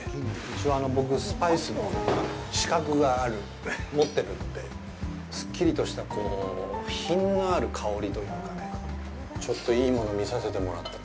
一応、僕、スパイスの資格を持ってるので、すっきりとした、品のある香りというか、ちょっといいものを見させてもらった。